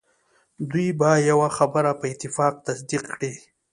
دوی به یوه خبره په اتفاق تصدیق کړي.